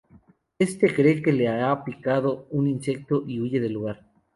Éste cree que le ha picado un insecto y huye del lugar.